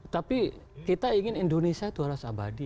tapi kita ingin indonesia itu harus abadi